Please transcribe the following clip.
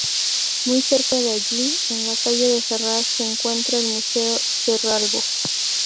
Muy cerca de allí, en la calle de Ferraz, se encuentra el Museo Cerralbo.